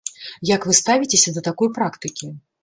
Як вы ставіцеся да такой практыкі?